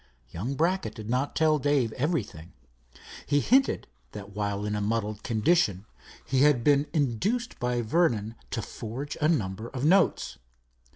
Young Brackett did not tell Dave everything. He hinted that while in a muddled condition he had been induced by Vernon to forge a number of notes.